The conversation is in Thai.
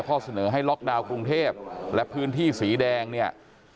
เสนอให้ล็อกดาวน์กรุงเทพและพื้นที่สีแดงเนี่ย